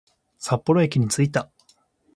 札幌駅に着いた